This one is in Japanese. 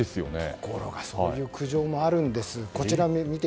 ところがそういう苦情もあるんです。